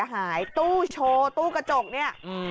โหคุณผู้ชมเหตุการณ์นี้